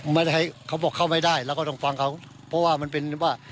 ให้เขาบอกเข้าไม่ได้เราก็ต้องฟังเขาเพราะว่ามันเป็นว่า